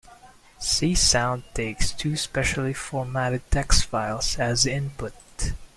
Csound takes two specially formatted text files as input.